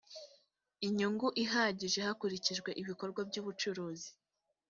inyunggu ihagije hakurikijwe ibikorwa by’ubucuruzi